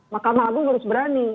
mahkamah itu harus berani